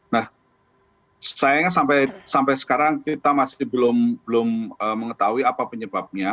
nah sayangnya sampai sekarang kita masih belum mengetahui apa penyebabnya